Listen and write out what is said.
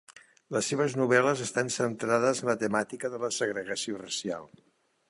Les seves novel·les estan centrades en la temàtica de la segregació racial.